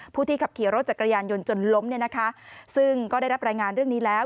ผู้ที่ขับขี่รถจักรยานยนต์จนล้มเนี่ยนะคะซึ่งก็ได้รับรายงานเรื่องนี้แล้ว